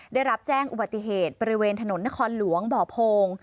ได้รับแจ้งอุบัติเหตุบริเวณถนนนครหลวงบ่อโพง